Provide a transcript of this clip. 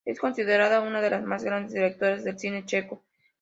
Es considerada una de las más grandes directoras del cine checo.